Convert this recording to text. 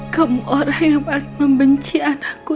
kamu orang yang paling membenci anakku